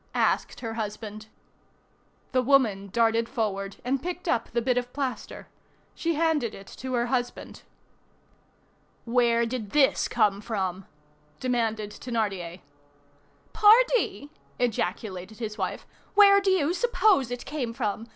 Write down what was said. asked her husband. The woman darted forward and picked up the bit of plaster. She handed it to her husband. "Where did this come from?" demanded Thénardier. "Pardie!" ejaculated his wife, "where do you suppose it came from?